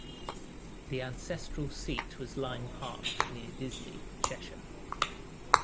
The ancestral seat was Lyme Park, near Disley, Cheshire.